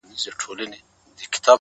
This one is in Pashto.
گراني شاعري ستا په خوږ ږغ كي؛